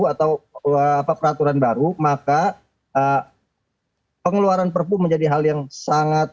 atau peraturan baru maka pengeluaran perpu menjadi hal yang sangat